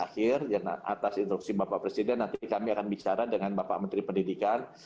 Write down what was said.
jadi tingkat akhir atas instruksi bapak presiden nanti kami akan bicara dengan bapak menteri pendidikan